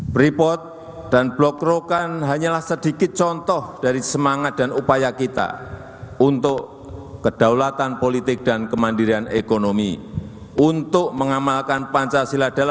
beripot dan blok rokan hanyalah sedikit contoh dari seluruh produksi nasional indonesia